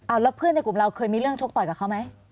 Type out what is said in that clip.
แล้วเพื่อนในกลุ่มเราเคยมีเรื่องชกต่อยกับเขาไหม